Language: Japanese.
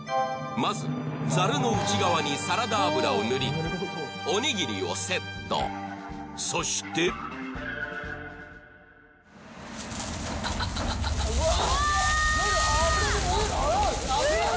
まずザルの内側にサラダ油を塗りおにぎりをセットそしてうわあすげえ！